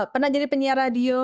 pernah jadi penyiar radio